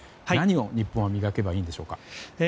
何を日本は磨けばいいでしょうか？